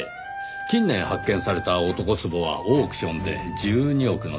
近年発見された男壺はオークションで１２億の値が付いたとか。